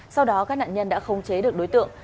sau đó các nạn nhân đã không chế được đối tượng